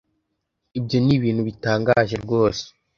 ibyo ni ibintu bitangaje rwose